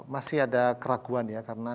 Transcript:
masih ada keraguan ya karena